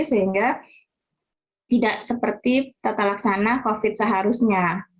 sehingga tidak seperti tata laksana covid seharusnya